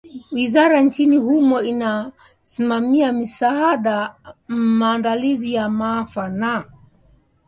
Wizara nchini humo inayosimamia misaada, maandalizi ya maafa na wakimbizi katika Ofisi ya Waziri Mkuu ilisema katika taarifa yake Jumapili jioni.